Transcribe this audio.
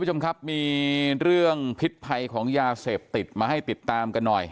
มีเรื่องพิธภัยของยาเสพติดมาให้ติดตามกันหน่อย